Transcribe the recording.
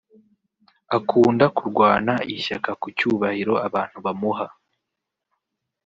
Akunda kurwana ishyaka ku cyubahiro abantu bamuha